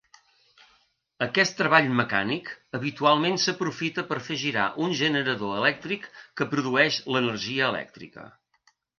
Aquest treball mecànic habitualment s'aprofita per fer girar un generador elèctric que produeix l'energia elèctrica.